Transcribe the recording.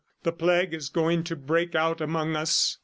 "The plague is going to break out among us."